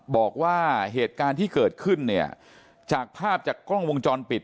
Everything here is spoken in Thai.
บอกว่าเหตุการณ์ที่เกิดขึ้นเนี่ยจากภาพจากกล้องวงจรปิด